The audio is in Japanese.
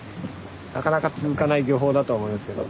なかなか続かない漁法だとは思いますけど。